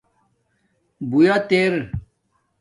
بُݸیت اِر